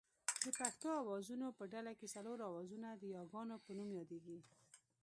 د پښتو آوازونو په ډله کې څلور آوازونه د یاګانو په نوم یادېږي